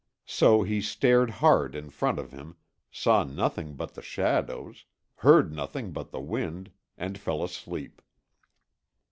So he stared hard in front of him, saw nothing but the shadows, heard nothing but the wind, and fell asleep.